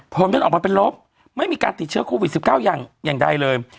ผลมันออกมาเป็นลบไม่มีการติดเชื้อโควิด๑๙อย่างใดเลย